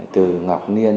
từ ngọc niên